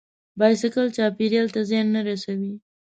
بایسکل چاپېریال ته زیان نه رسوي.